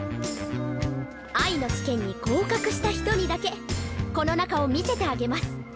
愛の試験に合格した人にだけこの中を見せてあげます。